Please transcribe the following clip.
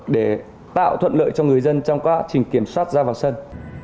để tạo thuận lợi cho người dân trong các trình kiểm soát ra vào sân